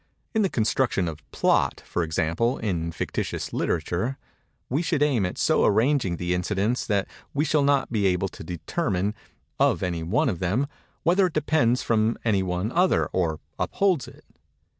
In the construction of plot, for example, in fictitious literature, we should aim at so arranging the incidents that we shall not be able to determine, of any one of them, whether it depends from any one other or upholds it.